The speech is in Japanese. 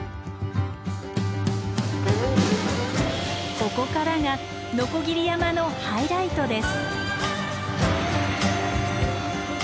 ここからが鋸山のハイライトです。